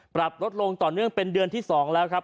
ปรับลดลงต่อเนื่องเป็นเดือนที่๒แล้วครับ